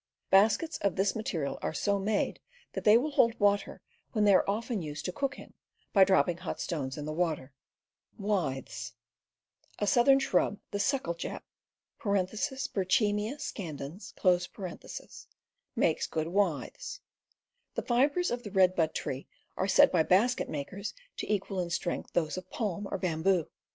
Baskets of this material are so made that they will hold water, and they are often used to cook in, by dropping hot stones in the water. A southern shrub, the supple jack {Berchemia scan dens), jnakes good withes. The fibers of the red bud tree are said by basket makers to equal in strength those of palm or bamboo.